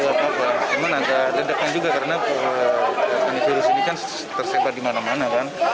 cuman ada ledakan juga karena virus ini kan tersebar di mana mana kan